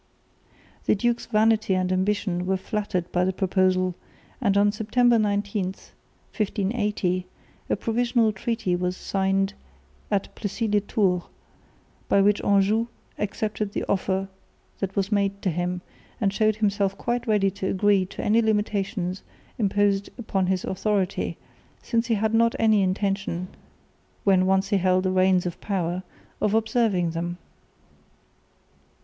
The Duke's vanity and ambition were flattered by the proposal; and on September 19, 1580, a provisional treaty was signed at Plessis les Tours by which Anjou accepted the offer that was made to him, and showed himself quite ready to agree to any limitations imposed upon his authority, since he had not any intention, when once he held the reins of power, of observing them.